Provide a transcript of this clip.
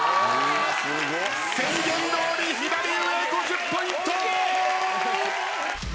宣言どおり左上５０ポイント。